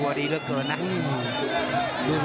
ตัวดีเยอะเกินนะ